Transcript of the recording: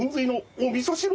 おみそ汁！